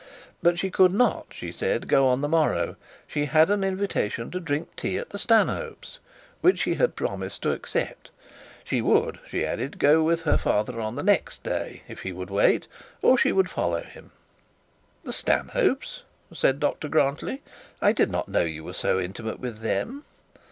But she could not, she said, go on the morrow; she had an invitation to drink tea at the Stanhopes which she had promised to accept. She would, she added, go with her father on the next day, if he would wait; or she would follow him. 'The Stanhopes!' said Dr Grantly; 'I did not know you were so intimate with them.'